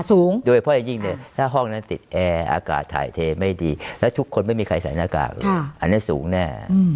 สูงด้วยเพราะยิ่งถ้าห้องนั้นติดแอร์อากาศถ่ายเทไม่ดีแล้วทุกคนไม่มีใครใส่หน้ากากอันนี้สูงแน่